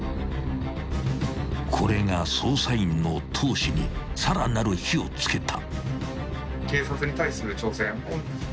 ［これが捜査員の闘志にさらなる火を付けた］